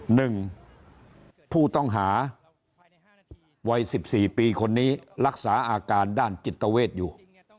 หนึ่งผู้ต้องหาวัยสิบสี่ปีคนนี้รักษาอาการด้านจิตเวทอยู่